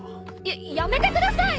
ややめてください！